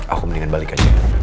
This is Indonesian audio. aku mendingan balik aja